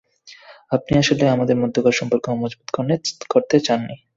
আপনি আসলে আমাদের মধ্যকার সম্পর্ক মজবুত করতে চাননি।